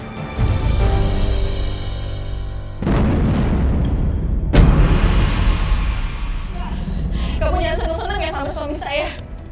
kamu jangan senang senang sama suami saya